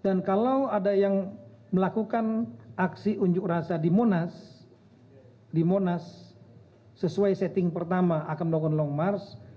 dan kalau ada yang melakukan aksi unjuk rasa di monas di monas sesuai setting pertama akan melakukan long mars